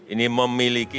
ini memiliki hak